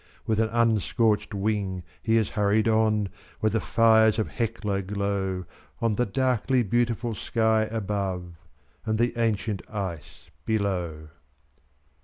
With an unscorched wing he has hurried on, where the fires of Hecla glow On the darkly beautiful sky above and the ancient ice below.